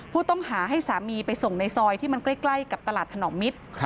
ผู้ต้องหาให้สามีไปส่งในซอยที่มันใกล้กับตลาดถนอมมิตร